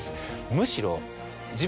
むしろ。